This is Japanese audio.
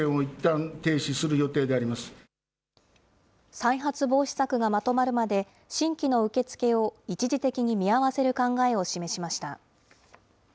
再発防止策がまとまるまで、新規の受け付けを一時的に見合わせる考えを示しました。